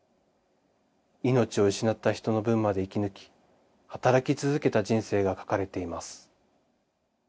命を失った人の分まで生き抜き働き続けた人生が書かれています。